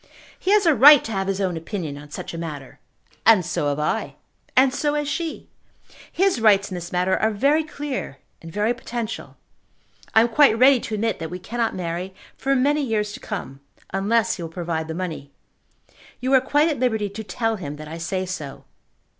"He has a right to have his own opinion on such a matter." "And so have I. And so has she. His rights in this matter are very clear and very potential. I am quite ready to admit that we cannot marry for many years to come, unless he will provide the money. You are quite at liberty to tell him that I say so.